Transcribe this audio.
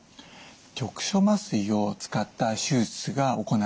局所麻酔を使った手術が行われることが多いです。